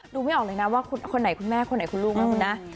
ไม่ออกเลยนะว่าคนไหนคุณแม่คนไหนคุณลูกนะคุณนะ